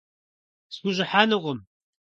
Схущӏыхьэнукъым.